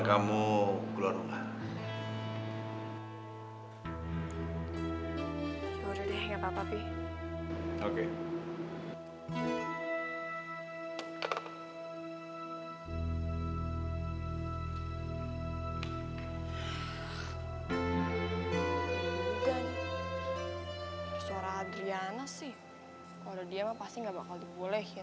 kalo udah diam pasti gak bakal dibolehin